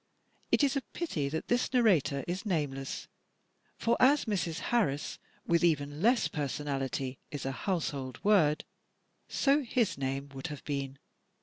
It is a pity that this narrator is nameless, for as Mrs. Harris, with even less personality, is a household word, so his name would have been.